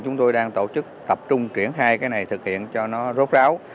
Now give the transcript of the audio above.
chúng tôi đang tổ chức tập trung triển khai cái này thực hiện cho nó rốt ráo